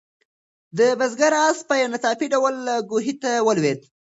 د بزګر آس په یو ناڅاپي ډول کوهي ته ولوېد.